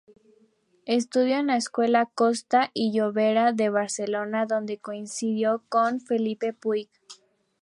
Estudió en la Escuela Costa y Llobera de Barcelona, donde coincidió con Felip Puig.